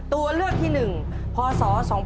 ตัวเลือกที่๑พศ๒๕๖